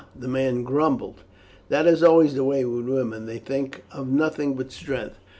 the man grumbled, "that is always the way with women; they think of nothing but strength."